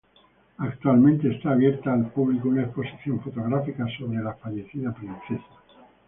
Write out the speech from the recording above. Actualmente está abierta al público una exposición fotográfica sobre la fallecida princesa.